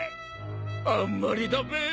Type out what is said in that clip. ［あんまりだべ］